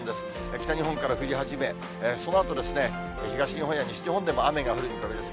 北日本から降り始め、そのあと東日本や西日本でも雨が降る見込みです。